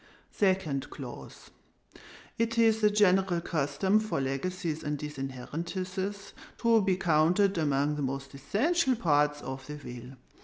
"SECOND CLAUSE It is the general custom for legacies and disinheritances to be counted among the most essential parts of the will.